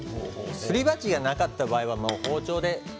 すり鉢がなかった場合は包丁で。